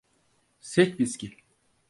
Sek viski.